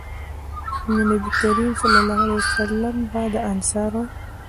نو نبي کريم صلی الله علیه وسلّم به د انصارو